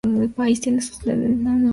Tiene su sede en Managua, Nicaragua.